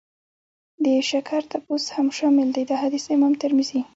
د شکر تپوس هم شامل دی. دا حديث امام ترمذي